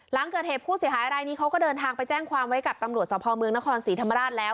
หลังเกิดเหตุผู้เสียหายรายนี้เขาก็เดินทางไปแจ้งความไว้กับตำรวจสภเมืองนครศรีธรรมราชแล้ว